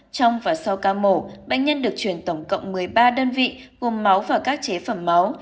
trong và sau ca mổ bệnh nhân được truyền tổng cộng một mươi ba đơn vị gồm máu và các chế phẩm máu